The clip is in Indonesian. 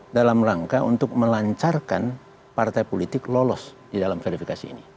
itu menunjukkan memang ada kesengajaan untuk melancarkan partai politik lolos di dalam verifikasi ini